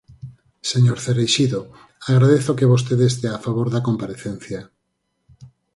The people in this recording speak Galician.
Señor Cereixido, agradezo que vostede estea a favor da comparecencia.